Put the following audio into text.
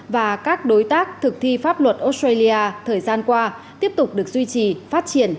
và các đối tác thực thi pháp luật australia thời gian qua tiếp tục được duy trì phát triển